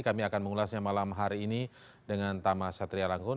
kami akan mengulasnya malam hari ini dengan tama satria langkun